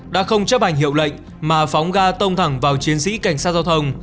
đã không chấp hành hiệu lệnh mà phóng ga tông thẳng vào chiến sĩ cảnh sát giao thông